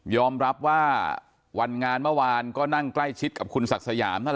ยอมรับว่าวันงานเมื่อวานก็นั่งใกล้ชิดกับคุณศักดิ์สยาม